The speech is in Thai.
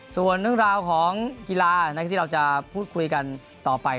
ส่วนเรื่องราวของกีฬาที่เราจะพูดคุยกันต่อไป